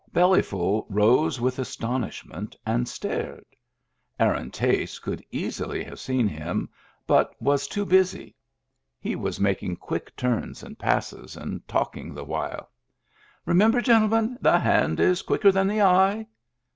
Bellyful rose with astonishment, and stared. Aaron Tace could easily have seen him, but was too busy. Digitized by Google EXTRA DRY 211 He was making quick turns and passes, and talk ing the while. "Remember, gentlemen, the hand is quicker than the eye."